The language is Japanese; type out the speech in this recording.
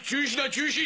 中止！